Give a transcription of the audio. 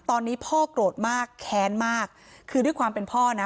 ตอนนี้พ่อโกรธมากแค้นมากคือด้วยความเป็นพ่อนะ